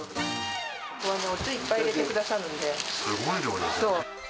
おつゆいっぱい入れてくださすごい量ですね。